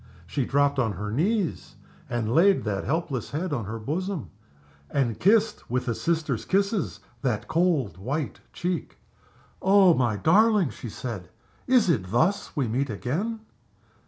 She dropped on her knees and laid that helpless head on her bosom, and kissed, with a sister's kisses, that cold, white cheek. "Oh, my darling!" she said. "Is it thus we meet again?"